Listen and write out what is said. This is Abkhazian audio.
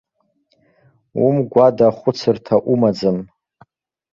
Умгәада хәыцырҭа умаӡам?!